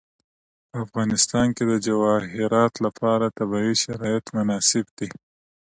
په افغانستان کې د جواهرات لپاره طبیعي شرایط مناسب دي.